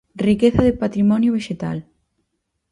Riqueza de patrimonio vexetal!